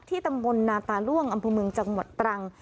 ตำบลนาตาล่วงอำเภอเมืองจังหวัดตรัง